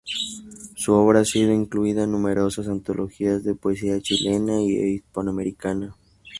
Su obra ha sido incluida en numerosas antologías de poesía chilena e hispanoamericana.